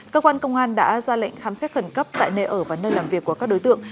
cơ quan công an đã ra lệnh khám xét khẩn cấp tại nơi ở và nơi làm việc của các đối tượng